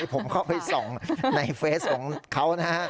ผมเข้าไปส่องในเฟสของเขานะฮะ